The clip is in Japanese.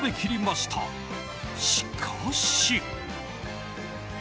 しかし。